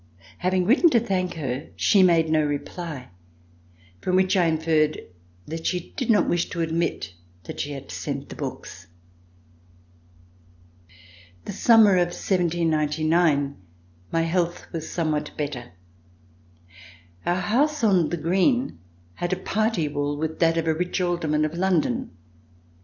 Having written to thank her, she made no reply, from which I inferred that she did not wish to admit that she had sent the books. The summer of 1799 my health was somewhat better. Our house on "The Green" had a party wall with that of a rich alderman of London.